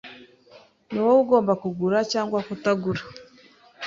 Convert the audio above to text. Ni wowe ugomba kugura cyangwa kutagura.